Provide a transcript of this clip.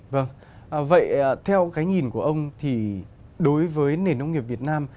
vâng vậy theo cái nhìn của ông thì đối với nền nông nghiệp việt nam